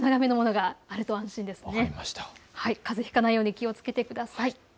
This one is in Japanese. かぜをひかないように気をつけてください。